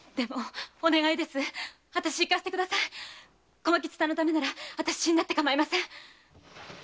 駒吉さんのためなら死んだってかまいません